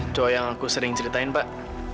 itu yang aku sering ceritain pak